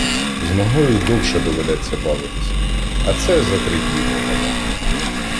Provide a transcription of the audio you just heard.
З ногою довше доведеться бавитися, а це за три дні пропаде.